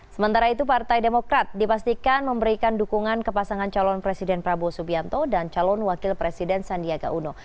sementara itu partai demokrat dipastikan memberikan dukungan ke pasangan calon presiden prabowo subianto dan calon wakil presiden sandiaga uno